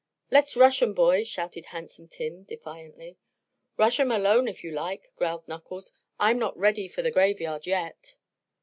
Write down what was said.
"Let's rush 'em, boys!" shouted Handsome Tim, defiantly. "Rush 'em alone, if you like," growled Knuckles. "I'm not ready for the graveyard yet."